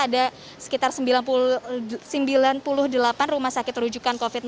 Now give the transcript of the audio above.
ada sekitar sembilan puluh delapan rumah sakit rujukan covid sembilan belas